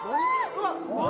うわっ何！？